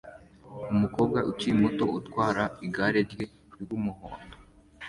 Umukobwa ukiri muto utwara igare rye ry'umuhondo